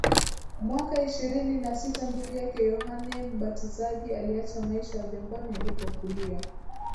Mwaka ishirini na sita ndugu yake Yohane Mbatizaji aliacha maisha ya jangwani alikokulia